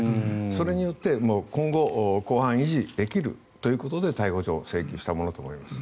それによって今後公判維持ができるということで逮捕状を請求したと思われます。